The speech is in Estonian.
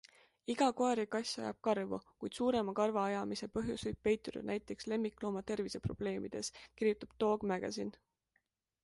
Iga koer ja kass ajab karvu, kuid suurema karvaajamise põhjus võib peituda näiteks lemmiklooma terviseprobleemides, kirjutab Dog Magazine.